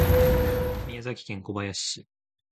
宮崎県小林市